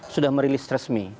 sudah merilis resmi